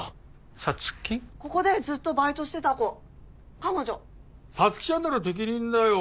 ここでずっとバイトしてた子彼女沙月ちゃんなら適任だよ